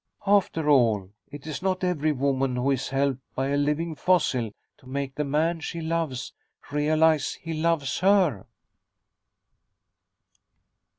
After all, it's not every woman who is helped by a living fossil to make the man she loves realize he loves her!"